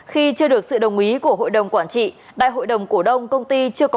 khi chưa được sự đồng ý của hội đồng quản trị đại hội đồng cổ đông công ty